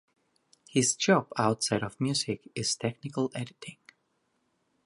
His job outside of music is technical editing.